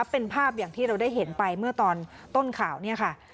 เป็นภาพอย่างที่เราได้เห็นไปเมื่อตอนต้นข่าวเนี่ยค่ะ